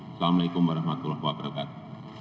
wassalamu'alaikum warahmatullahi wabarakatuh